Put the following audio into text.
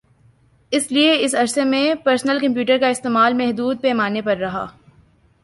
اس لئے اس عرصے میں پرسنل کمپیوٹر کا استعمال محدود پیمانے پر رہا